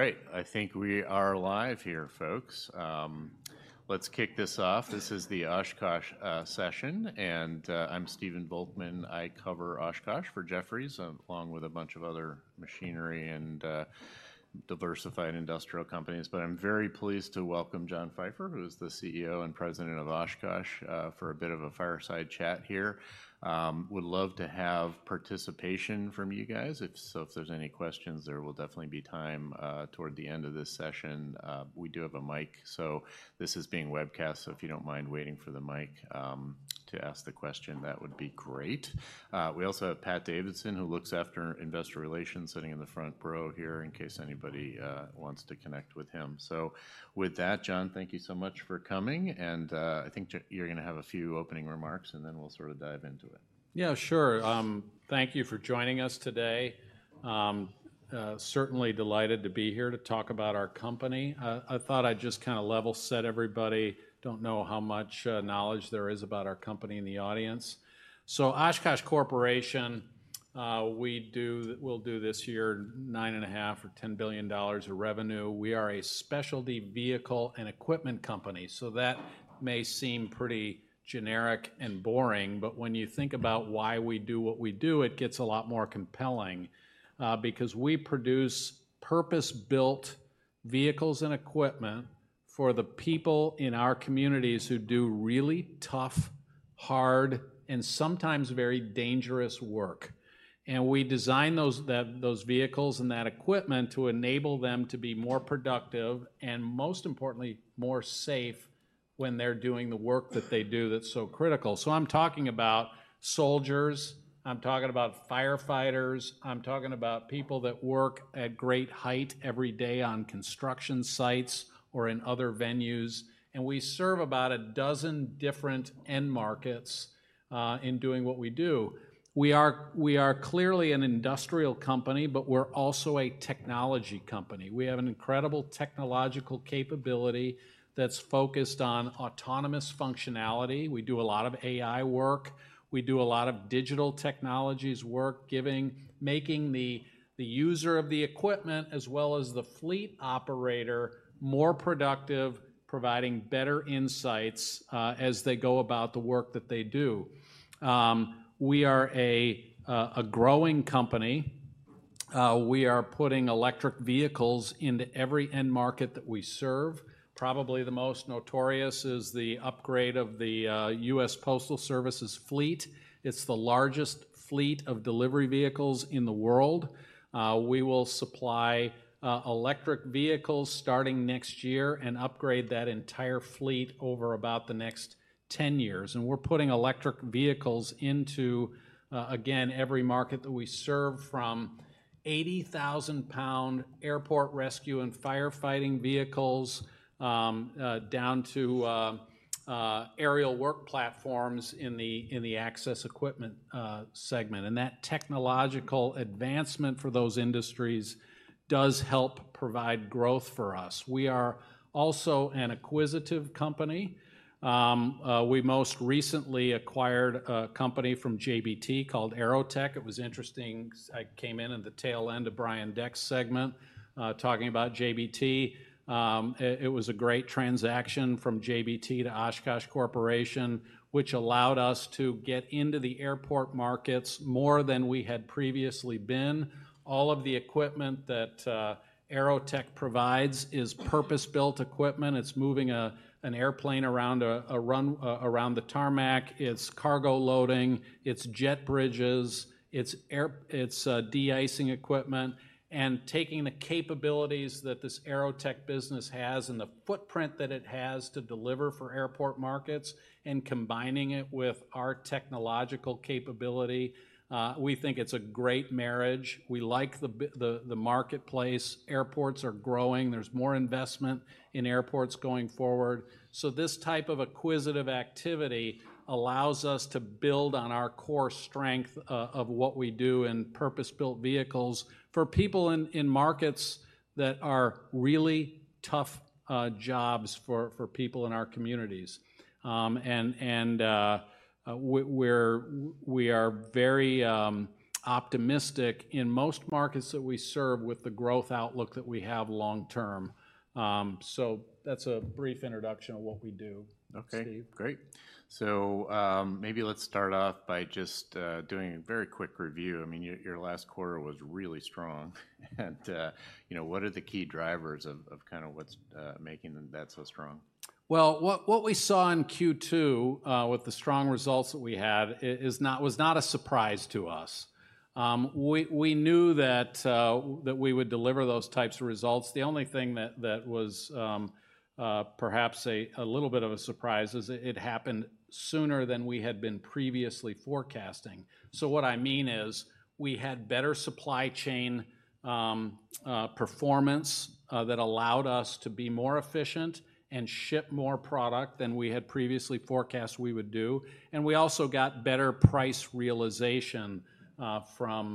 All right, I think we are live here, folks. Let's kick this off. This is the Oshkosh session, and I'm Stephen Volkmann. I cover Oshkosh for Jefferies, along with a bunch of other machinery and diversified industrial companies. But I'm very pleased to welcome John Pfeifer, who's the CEO and President of Oshkosh, for a bit of a fireside chat here. Would love to have participation from you guys if, so if there's any questions, there will definitely be time toward the end of this session. We do have a mic, so this is being webcast, so if you don't mind waiting for the mic to ask the question, that would be great. We also have Pat Davidson, who looks after investor relations, sitting in the front row here in case anybody wants to connect with him. So with that, John, thank you so much for coming, and I think you're gonna have a few opening remarks, and then we'll sort of dive into it. Yeah, sure. Thank you for joining us today. Certainly delighted to be here to talk about our company. I thought I'd just kind of level set everybody. Don't know how much knowledge there is about our company in the audience. So Oshkosh Corporation, we'll do this year $9.5 billion or $10 billion of revenue. We are a specialty vehicle and equipment company, so that may seem pretty generic and boring, but when you think about why we do what we do, it gets a lot more compelling, because we produce purpose-built vehicles and equipment for the people in our communities who do really tough, hard, and sometimes very dangerous work. We design those vehicles and that equipment to enable them to be more productive and, most importantly, more safe when they're doing the work that they do that's so critical. So I'm talking about soldiers, I'm talking about firefighters, I'm talking about people that work at great height every day on construction sites or in other venues. We serve about a dozen different end markets in doing what we do. We are clearly an industrial company, but we're also a technology company. We have an incredible technological capability that's focused on autonomous functionality. We do a lot of AI work. We do a lot of digital technologies work, giving making the user of the equipment as well as the fleet operator more productive, providing better insights as they go about the work that they do. We are a growing company. We are putting electric vehicles into every end market that we serve. Probably the most notorious is the upgrade of the U.S. Postal Service's fleet. It's the largest fleet of delivery vehicles in the world. We will supply electric vehicles starting next year and upgrade that entire fleet over about the next 10 years, and we're putting electric vehicles into again, every market that we serve, from GVW 80,000 airport rescue and firefighting vehicles down to aerial work platforms in the access equipment segment. And that technological advancement for those industries does help provide growth for us. We are also an acquisitive company. We most recently acquired a company from JBT called AeroTech. It was interesting. I came in at the tail end of Brian Deck's segment talking about JBT. It was a great transaction from JBT to Oshkosh Corporation, which allowed us to get into the airport markets more than we had previously been. All of the equipment that AeroTech provides is purpose-built equipment. It's moving an airplane around a runway around the tarmac. It's cargo loading. It's jet bridges. It's de-icing equipment, and taking the capabilities that this AeroTech business has and the footprint that it has to deliver for airport markets and combining it with our technological capability, we think it's a great marriage. We like the marketplace. Airports are growing. There's more investment in airports going forward. This type of acquisitive activity allows us to build on our core strength of what we do in purpose-built vehicles for people in markets that are really tough jobs for people in our communities. We are very optimistic in most markets that we serve with the growth outlook that we have long term. So that's a brief introduction of what we do. Okay. Great. So, maybe let's start off by just doing a very quick review. I mean, your last quarter was really strong, and you know, what are the key drivers of kind of what's making that so strong? Well, what we saw in Q2 with the strong results that we had was not a surprise to us. We knew that we would deliver those types of results. The only thing that was perhaps a little bit of a surprise is that it happened sooner than we had been previously forecasting. So what I mean is, we had better supply chain performance that allowed us to be more efficient and ship more product than we had previously forecast we would do, and we also got better price realization from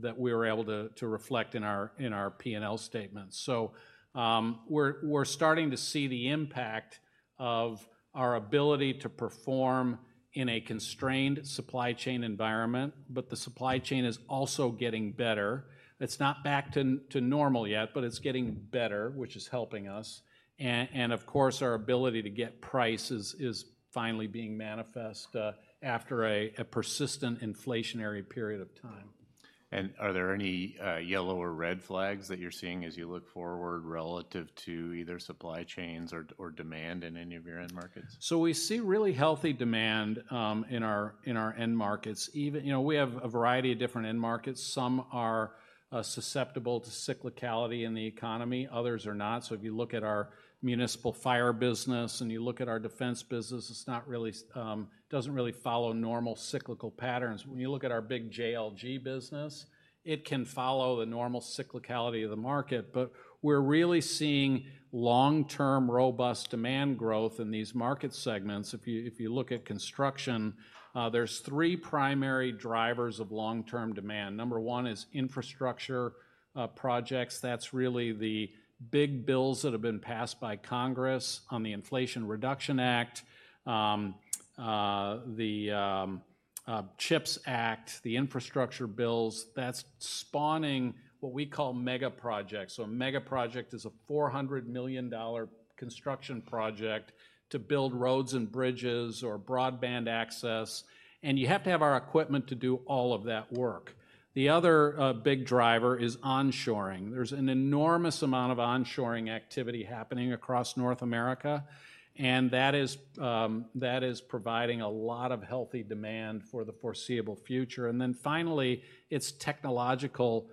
that we were able to reflect in our P&L statements. So, we're starting to see the impact of our ability to perform in a constrained supply chain environment, but the supply chain is also getting better. It's not back to normal yet, but it's getting better, which is helping us. And of course, our ability to get price is finally being manifest after a persistent inflationary period of time. Are there any yellow or red flags that you're seeing as you look forward relative to either supply chains or demand in any of your end markets? So we see really healthy demand in our end markets. Even, you know, we have a variety of different end markets. Some are susceptible to cyclicality in the economy, others are not. So if you look at our municipal fire business, and you look at our defense business, it doesn't really follow normal cyclical patterns. When you look at our big JLG business, it can follow the normal cyclicality of the market. But we're really seeing long-term, robust demand growth in these market segments. If you look at construction, there's three primary drivers of long-term demand. Number one is infrastructure projects. That's really the big bills that have been passed by Congress on the Inflation Reduction Act, the CHIPS Act, the infrastructure bills. That's spawning what we call mega projects. So a mega project is a $400 million construction project to build roads and bridges or broadband access, and you have to have our equipment to do all of that work. The other, big driver is onshoring. There's an enormous amount of onshoring activity happening across North America, and that is providing a lot of healthy demand for the foreseeable future. And then finally, it's technological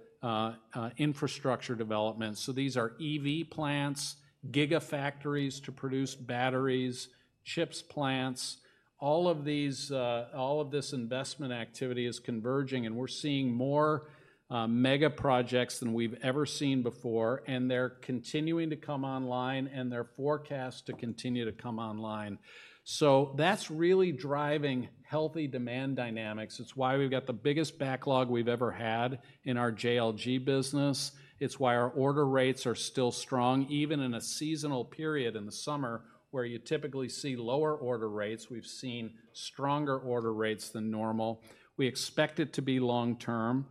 infrastructure development. So these are EV plants, gigafactories to produce batteries, chips plants. All of these, all of this investment activity is converging, and we're seeing more mega projects than we've ever seen before, and they're continuing to come online, and they're forecast to continue to come online. So that's really driving healthy demand dynamics. It's why we've got the biggest backlog we've ever had in our JLG business. It's why our order rates are still strong. Even in a seasonal period in the summer, where you typically see lower order rates, we've seen stronger order rates than normal. We expect it to be long term.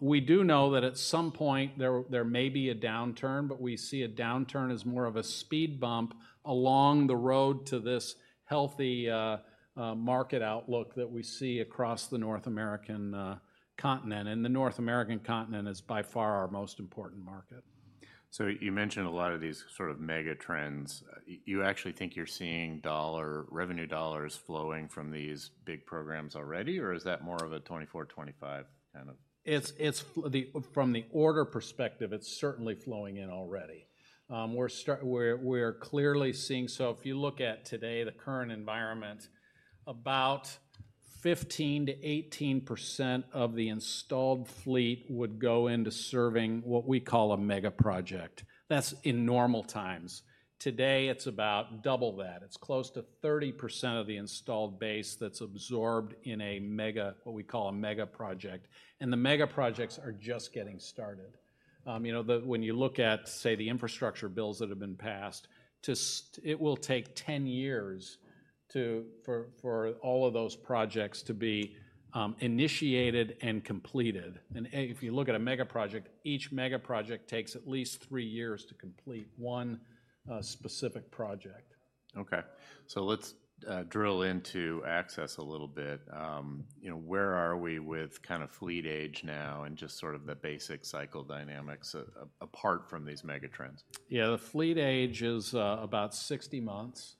We do know that at some point, there may be a downturn, but we see a downturn as more of a speed bump along the road to this healthy market outlook that we see across the North American continent. And the North American continent is by far our most important market. So you mentioned a lot of these sort of mega trends. You actually think you're seeing dollar revenue dollars flowing from these big programs already, or is that more of a 2024-2025 kind of? From the order perspective, it's certainly flowing in already. We're clearly seeing. So if you look at today, the current environment, about 15%-18% of the installed fleet would go into serving what we call a mega project. That's in normal times. Today, it's about double that. It's close to 30% of the installed base that's absorbed in a mega, what we call a mega project, and the mega projects are just getting started. You know, then when you look at, say, the infrastructure bills that have been passed, it will take 10 years to, for all of those projects to be initiated and completed. If you look at a mega project, each mega project takes at least three years to complete one specific project. Okay, so let's drill into access a little bit. You know, where are we with kind of fleet age now and just sort of the basic cycle dynamics apart from these mega trends? Yeah, the fleet age is about 60 months.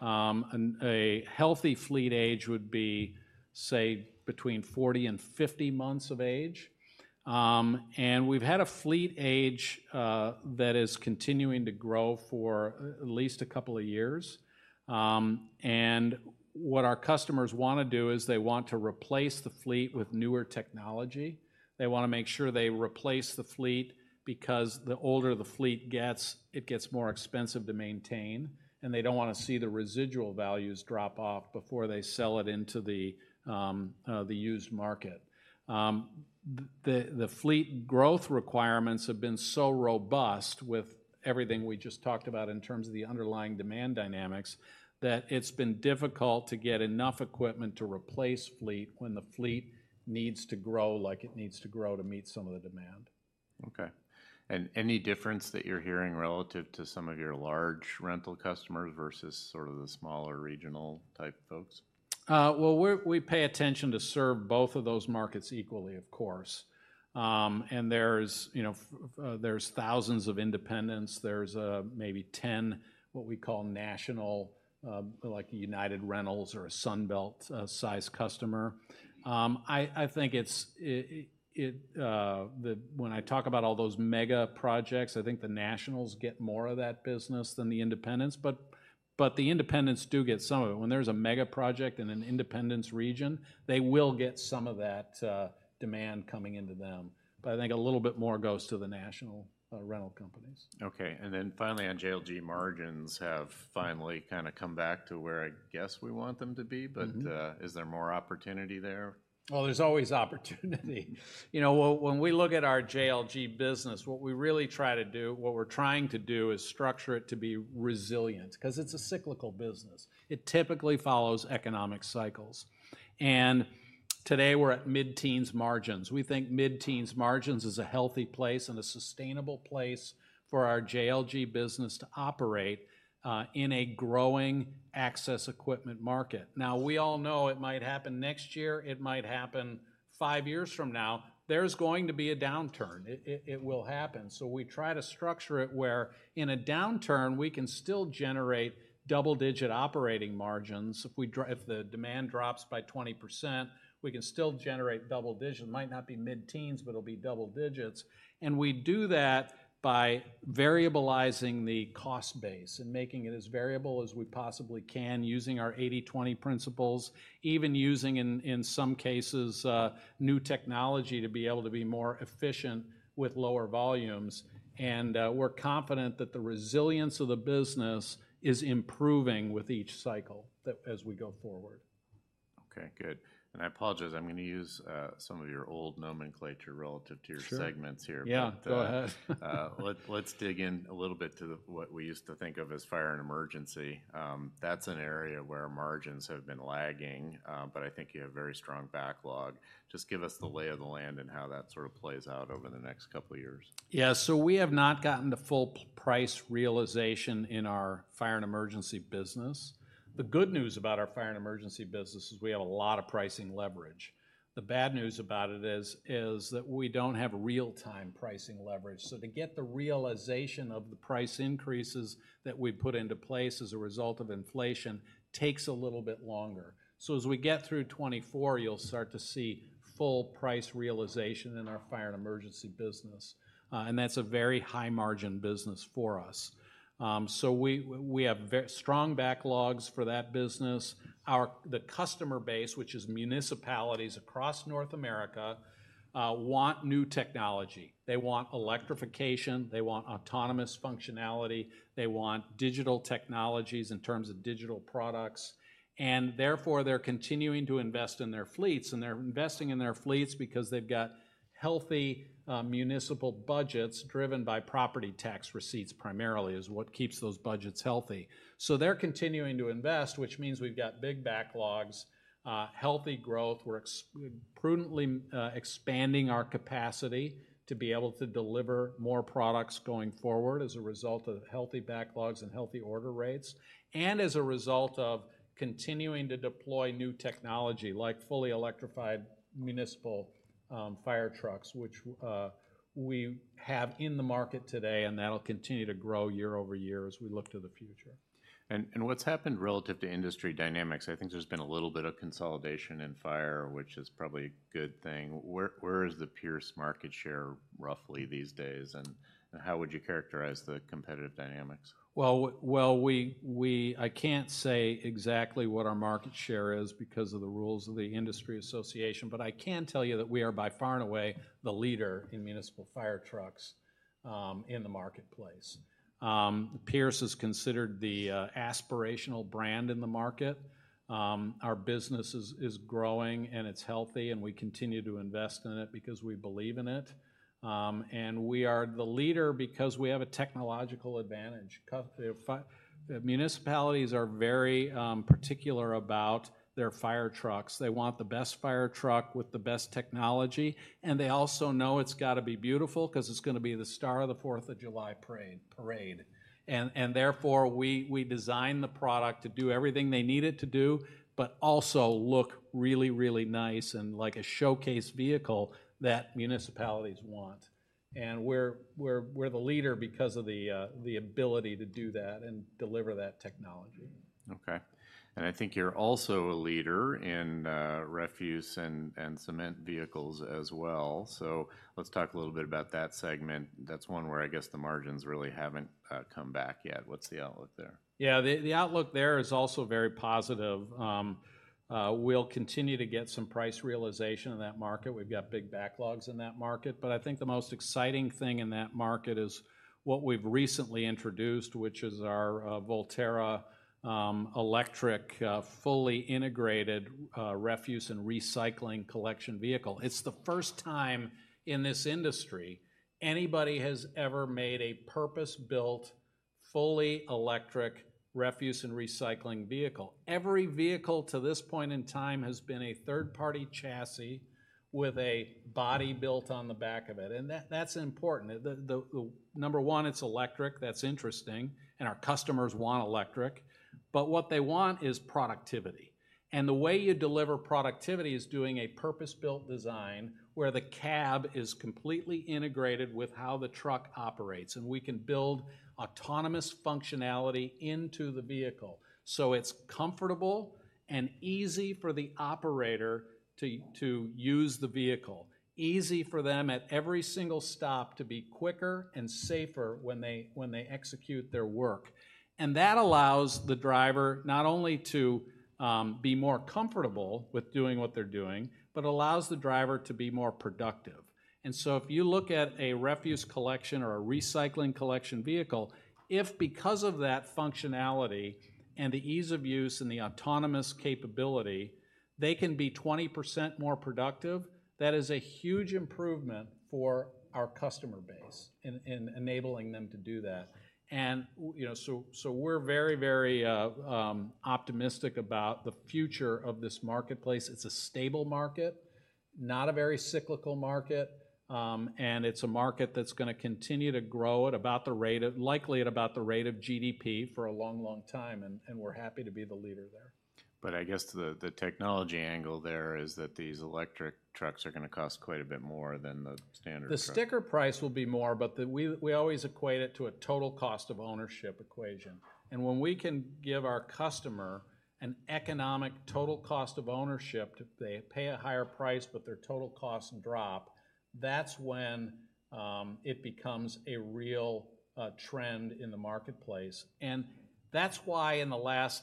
And a healthy fleet age would be, say, between 40 and 50 months of age. And we've had a fleet age that is continuing to grow for at least a couple of years. And what our customers wanna do is they want to replace the fleet with newer technology. They wanna make sure they replace the fleet because the older the fleet gets, it gets more expensive to maintain, and they don't wanna see the residual values drop off before they sell it into the used market. The fleet growth requirements have been so robust with everything we just talked about in terms of the underlying demand dynamics, that it's been difficult to get enough equipment to replace fleet when the fleet needs to grow like it needs to grow to meet some of the demand. Okay. Any difference that you're hearing relative to some of your large rental customers versus sort of the smaller regional type folks? Well, we pay attention to serve both of those markets equally, of course. And there's, you know, thousands of independents. There's maybe 10, what we call national, like a United Rentals or a Sunbelt size customer. I think it's when I talk about all those mega projects, I think the nationals get more of that business than the independents, but the independents do get some of it. When there's a mega project in an independent's region, they will get some of that demand coming into them, but I think a little bit more goes to the national rental companies. Okay, and then finally, on JLG margins have finally kinda come back to where I guess we want them to be- Mm-hmm.... but, is there more opportunity there? Well, there's always opportunity. You know, well, when we look at our JLG business, what we really try to do - what we're trying to do is structure it to be resilient because it's a cyclical business. It typically follows economic cycles. And today we're at mid-teens margins. We think mid-teens margins is a healthy place and a sustainable place for our JLG business to operate, in a growing access equipment market. Now, we all know it might happen next year, it might happen five years from now. There's going to be a downturn. It, it, it will happen. So we try to structure it where in a downturn, we can still generate double-digit operating margins. If the demand drops by 20%, we can still generate double digits. It might not be mid-teens, but it'll be double digits. And we do that by variabilizing the cost base and making it as variable as we possibly can, using our 80/20 principles, even using, in some cases, new technology to be able to be more efficient with lower volumes. And, we're confident that the resilience of the business is improving with each cycle that, as we go forward. Okay, good. I apologize, I'm gonna use some of your old nomenclature relative to- Sure... your segments here. Yeah, go ahead. Let's dig in a little bit to what we used to think of as fire and emergency. That's an area where margins have been lagging, but I think you have very strong backlog. Just give us the lay of the land and how that sort of plays out over the next couple of years. Yeah, so we have not gotten the full price realization in our fire and emergency business. The good news about our fire and emergency business is we have a lot of pricing leverage. The bad news about it is that we don't have real-time pricing leverage. So to get the realization of the price increases that we put into place as a result of inflation takes a little bit longer. So as we get through 2024, you'll start to see full price realization in our fire and emergency business, and that's a very high-margin business for us. So we have strong backlogs for that business. Our customer base, which is municipalities across North America, want new technology. They want electrification, they want autonomous functionality, they want digital technologies in terms of digital products, and therefore, they're continuing to invest in their fleets. They're investing in their fleets because they've got healthy municipal budgets driven by property tax receipts, primarily, is what keeps those budgets healthy. They're continuing to invest, which means we've got big backlogs, healthy growth. We're prudently expanding our capacity to be able to deliver more products going forward as a result of healthy backlogs and healthy order rates, and as a result of continuing to deploy new technology, like fully electrified municipal fire trucks, which we have in the market today, and that'll continue to grow year-over-year as we look to the future. And what's happened relative to industry dynamics? I think there's been a little bit of consolidation in fire, which is probably a good thing. Where is the Pierce market share roughly these days, and how would you characterize the competitive dynamics? Well, we... I can't say exactly what our market share is because of the rules of the industry association, but I can tell you that we are, by far and away, the leader in municipal fire trucks in the marketplace. Pierce is considered the aspirational brand in the market. Our business is growing, and it's healthy, and we continue to invest in it because we believe in it. And we are the leader because we have a technological advantage. Municipalities are very particular about their fire trucks. They want the best fire truck with the best technology, and they also know it's got to be beautiful 'cause it's gonna be the star of the 4th of July parade. Therefore, we design the product to do everything they need it to do, but also look really, really nice and like a showcase vehicle that municipalities want. We're the leader because of the ability to do that and deliver that technology. Okay. And I think you're also a leader in refuse and cement vehicles as well. So let's talk a little bit about that segment. That's one where I guess the margins really haven't come back yet. What's the outlook there? Yeah, the outlook there is also very positive. We'll continue to get some price realization in that market. We've got big backlogs in that market, but I think the most exciting thing in that market is what we've recently introduced, which is our Volterra electric fully integrated refuse and recycling collection vehicle. It's the first time in this industry anybody has ever made a purpose-built, fully electric refuse and recycling vehicle. Every vehicle, to this point in time, has been a third-party chassis with a body built on the back of it, and that's important. The number one, it's electric, that's interesting, and our customers want electric, but what they want is productivity. The way you deliver productivity is doing a purpose-built design, where the cab is completely integrated with how the truck operates, and we can build autonomous functionality into the vehicle. So it's comfortable and easy for the operator to, to use the vehicle. Easy for them at every single stop to be quicker and safer when they, when they execute their work. And that allows the driver not only to, be more comfortable with doing what they're doing, but allows the driver to be more productive. And so if you look at a refuse collection or a recycling collection vehicle, if because of that functionality and the ease of use and the autonomous capability, they can be 20% more productive, that is a huge improvement for our customer base in, in enabling them to do that. You know, so, so we're very, very, optimistic about the future of this marketplace. It's a stable market, not a very cyclical market, and it's a market that's gonna continue to grow at about the rate of, likely at about the rate of GDP for a long, long time, and, and we're happy to be the leader there. But I guess the technology angle there is that these electric trucks are gonna cost quite a bit more than the standard truck. The sticker price will be more, but we always equate it to a total cost of ownership equation. And when we can give our customer an economic total cost of ownership, they pay a higher price, but their total costs drop, that's when it becomes a real trend in the marketplace. And that's why in the last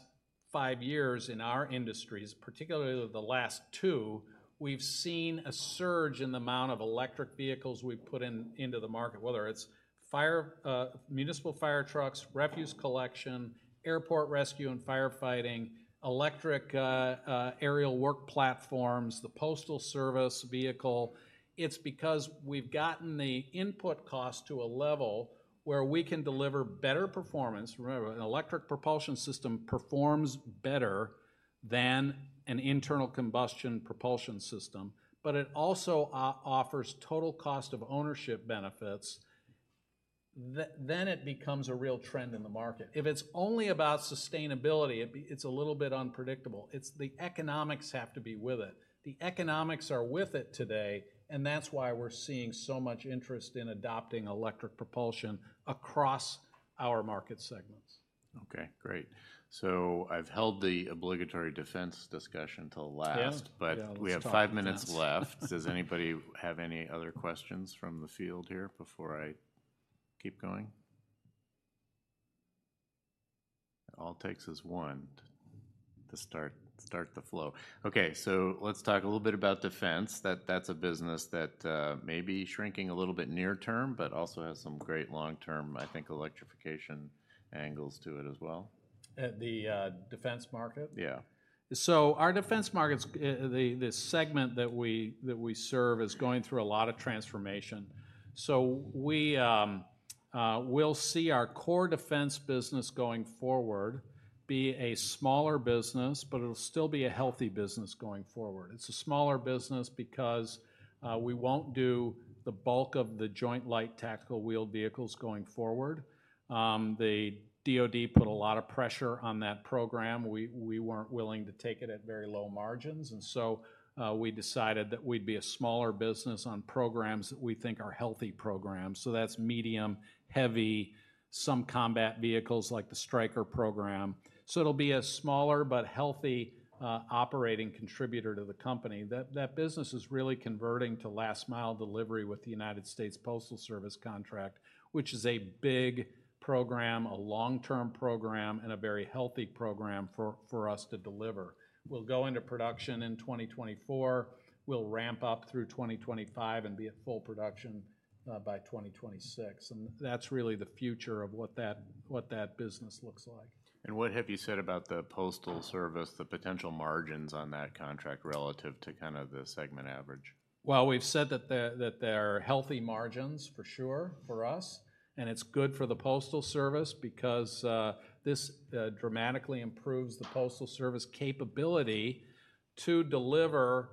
five years in our industries, particularly the last two, we've seen a surge in the amount of electric vehicles we've put into the market, whether it's fire municipal fire trucks, refuse collection, airport rescue and firefighting, electric aerial work platforms, the postal service vehicle. It's because we've gotten the input cost to a level where we can deliver better performance. Remember, an electric propulsion system performs better than an internal combustion propulsion system, but it also offers total cost of ownership benefits. Then it becomes a real trend in the market. If it's only about sustainability, it's a little bit unpredictable. It's the economics have to be with it. The economics are with it today, and that's why we're seeing so much interest in adopting electric propulsion across our market segments. Okay, great. So I've held the obligatory defense discussion till last. Yeah. Yeah, let's talk defense. But we have five minutes left. Does anybody have any other questions from the field here before I keep going? All it takes is one to start the flow. Okay, so let's talk a little bit about defense. That's a business that may be shrinking a little bit near term, but also has some great long-term, I think, electrification angles to it as well. At the defense market? Yeah. So our defense markets, the segment that we serve is going through a lot of transformation. So we'll see our core defense business going forward be a smaller business, but it'll still be a healthy business going forward. It's a smaller business because we won't do the bulk of the joint light tactical wheeled vehicles going forward. The DoD put a lot of pressure on that program. We weren't willing to take it at very low margins, and so we decided that we'd be a smaller business on programs that we think are healthy programs. So that's medium, heavy, some combat vehicles like the Stryker program. So it'll be a smaller but healthy operating contributor to the company. That business is really converting to last-mile delivery with the United States Postal Service contract, which is a big program, a long-term program, and a very healthy program for us to deliver. We'll go into production in 2024. We'll ramp up through 2025 and be at full production by 2026, and that's really the future of what that business looks like. What have you said about the Postal Service, the potential margins on that contract relative to kind of the segment average? Well, we've said that they're healthy margins, for sure, for us, and it's good for the Postal Service because this dramatically improves the Postal Service capability to deliver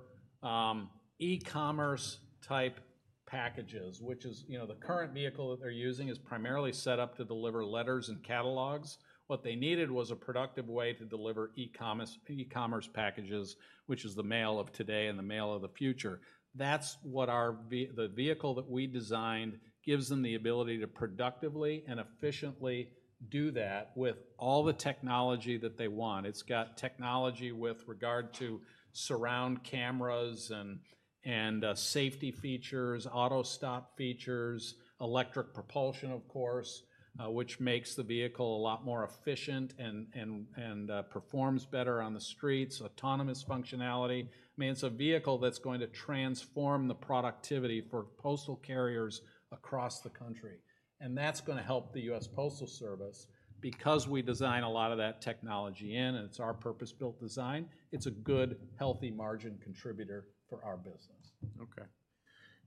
e-commerce-type packages. Which is, you know, the current vehicle that they're using is primarily set up to deliver letters and catalogs. What they needed was a productive way to deliver e-commerce, e-commerce packages, which is the mail of today and the mail of the future. That's what the vehicle that we designed gives them the ability to productively and efficiently do that with all the technology that they want. It's got technology with regard to surround cameras and safety features, auto stop features, electric propulsion, of course, which makes the vehicle a lot more efficient and performs better on the streets, autonomous functionality. I mean, it's a vehicle that's going to transform the productivity for postal carriers across the country, and that's gonna help the U.S. Postal Service because we design a lot of that technology in, and it's our purpose-built design. It's a good, healthy margin contributor for our business.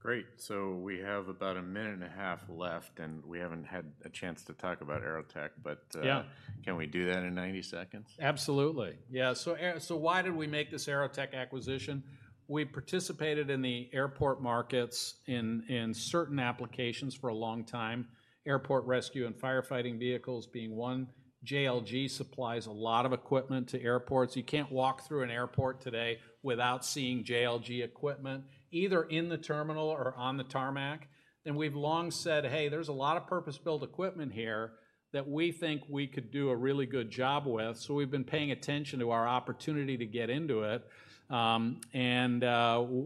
Okay, great. So we have about a minute and a half left, and we haven't had a chance to talk about AeroTech, but, Yeah... can we do that in 90 seconds? Absolutely. Yeah, so why did we make this AeroTech acquisition? We participated in the airport markets in certain applications for a long time, airport rescue and firefighting vehicles being one. JLG supplies a lot of equipment to airports. You can't walk through an airport today without seeing JLG equipment, either in the terminal or on the tarmac. And we've long said, "Hey, there's a lot of purpose-built equipment here that we think we could do a really good job with," so we've been paying attention to our opportunity to get into it.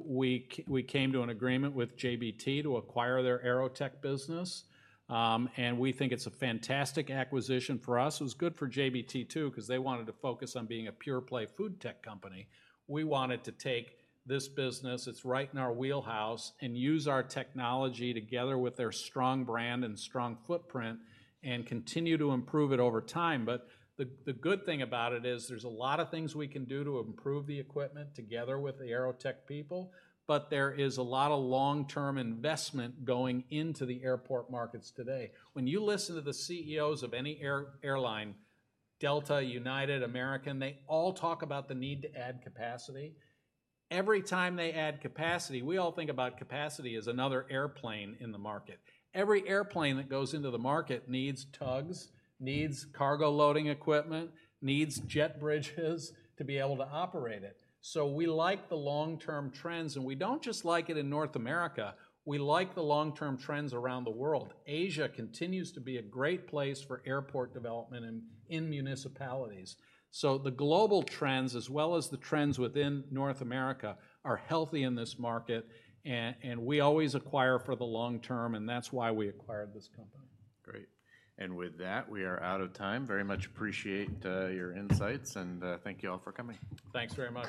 We came to an agreement with JBT to acquire their AeroTech business, and we think it's a fantastic acquisition for us. It was good for JBT, too, 'cause they wanted to focus on being a pure-play food tech company. We wanted to take this business, it's right in our wheelhouse, and use our technology together with their strong brand and strong footprint and continue to improve it over time. But the good thing about it is there's a lot of things we can do to improve the equipment together with the AeroTech people, but there is a lot of long-term investment going into the airport markets today. When you listen to the CEOs of any airline, Delta, United, American, they all talk about the need to add capacity. Every time they add capacity, we all think about capacity as another airplane in the market. Every airplane that goes into the market needs tugs, needs cargo loading equipment, needs jet bridges to be able to operate it. So we like the long-term trends, and we don't just like it in North America, we like the long-term trends around the world. Asia continues to be a great place for airport development and in municipalities. So the global trends, as well as the trends within North America, are healthy in this market, and, and we always acquire for the long term, and that's why we acquired this company. Great. And with that, we are out of time. Very much appreciate your insights, and thank you all for coming. Thanks very much.